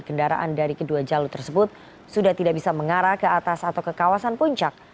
kendaraan dari kedua jalur tersebut sudah tidak bisa mengarah ke atas atau ke kawasan puncak